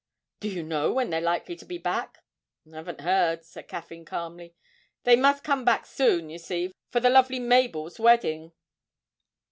'Do you know when they're likely to be back?' 'Haven't heard,' said Caffyn calmly; 'they must come back soon, you see, for the lovely Mabel's wedding.'